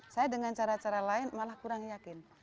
saya dengan cara cara lain malah kurang yakin